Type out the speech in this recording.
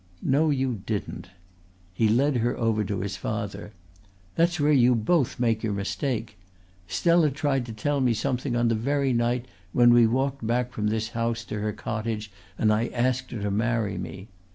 "No, you didn't." He led her over to his father. "That's where you both make your mistake. Stella tried to tell me something on the very night when we walked back from this house to her cottage and I asked her to marry me.